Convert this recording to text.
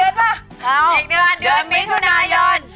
เดือนมิถุนายน